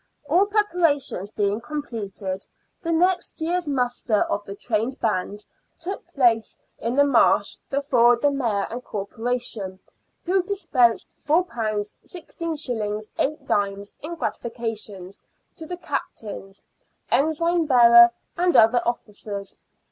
All prepara tions being completed, the next year's muster of the trained bands took place in the Marsh before the Mayor and Corporation, who dispensed £4 i6s. 8d. in gratifications to the captains, ensign bearer, and other officers.